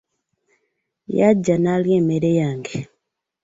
Yajja n'alya emmere yange.